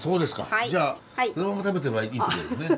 じゃあそのまま食べてればいいってことですね。